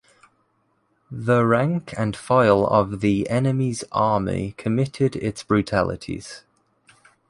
The rank and file of the enemy's army committed its brutalities.